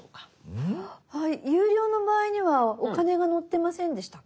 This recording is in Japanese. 有料の場合にはお金が載ってませんでしたっけ？